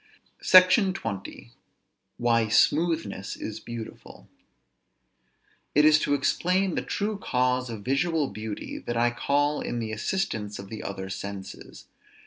SECTION XX. WHY SMOOTHNESS IS BEAUTIFUL. It is to explain the true cause of visual beauty that I call in the assistance of the other senses.